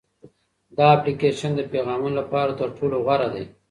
دا اپلیکیشن د پیغامونو لپاره تر ټولو غوره دی.